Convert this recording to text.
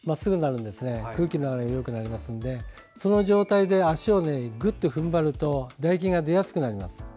空気の流れがよくなりますのでその状態で足をぐっと踏ん張ると唾液が出やすくなります。